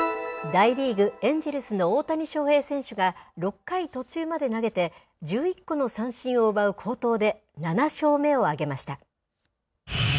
大リーグ・エンジェルスの大谷翔平選手が６回途中まで投げて、１１個の三振を奪う好投で、７勝目を挙げました。